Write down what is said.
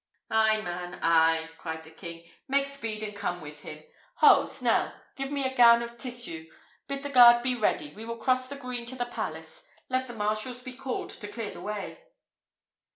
"Ay, man, ay!" cried the king; "make speed and come with him. Ho, Snell! give me a gown of tissue; bid the guard be ready: we will cross the green to the palace. Let the marshals be called to clear the way."